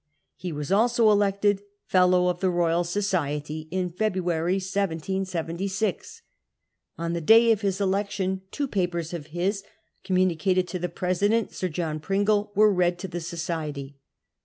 He was also elected Fellow of the Royal Society in February 1776. On the day of his election two papers of his, communicated to the president, Sir John Pringle, were road to the Society.